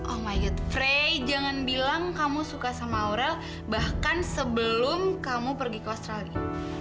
oh myt frey jangan bilang kamu suka sama aurel bahkan sebelum kamu pergi ke australia